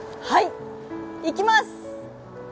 はい、いきます！